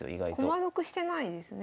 駒得してないですね。